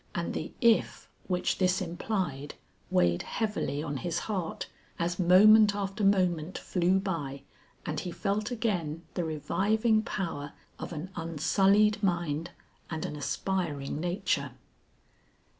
And the if which this implied weighed heavily on his heart as moment after moment flew by, and he felt again the reviving power of an unsullied mind and an aspiring nature.